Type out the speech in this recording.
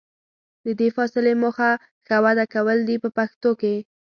د دې فاصلې موخه ښه وده کول دي په پښتو وینا.